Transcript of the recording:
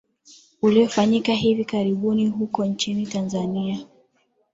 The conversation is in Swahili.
uliofanyika hivi karibuni huko nchini tanzania